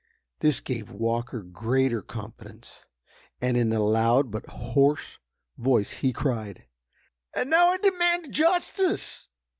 This gave Walker greater confidence, and, in a loud but hoarse voice he cried: "And now I demand justice!"